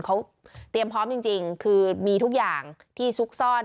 เขาเตรียมพร้อมจริงคือมีทุกอย่างที่ซุกซ่อน